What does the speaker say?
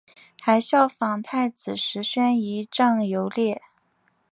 还仿效太子石宣仪仗游猎。